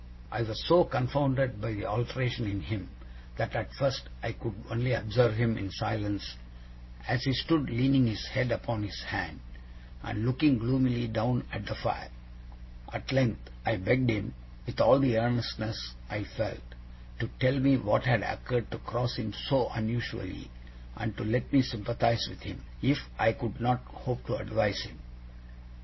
I was so confounded by the alteration in him, that at first I could only observe him in silence, as he stood leaning his head upon his hand, and looking gloomily down at the fire. At length I begged him, with all the earnestness I felt, to tell me what had occurred to cross him so unusually, and to let me sympathize with him, if I could not hope to advise him.